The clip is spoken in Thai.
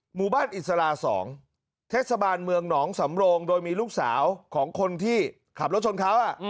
หมู่บ้านอิสลา๒เทศบาลเมืองหนองสำโรงโดยมีลูกสาวของคนที่ขับรถชนเขา